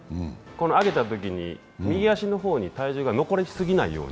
上げたときに右足の方に体重が残りすぎないように。